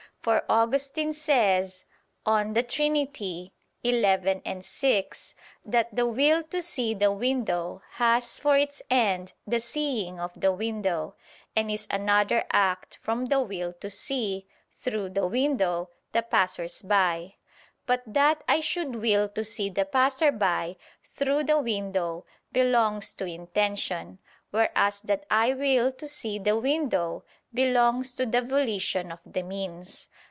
For Augustine says (De Trin. xi, 6) that "the will to see the window, has for its end the seeing of the window; and is another act from the will to see, through the window, the passersby." But that I should will to see the passersby, through the window, belongs to intention; whereas that I will to see the window, belongs to the volition of the means.